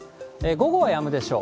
午後はやむでしょう。